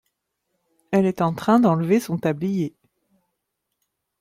Elle est en train d’enlever son tablier.